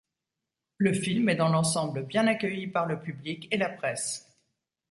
Le film est dans l'ensemble bien accueilli par le public et la presse.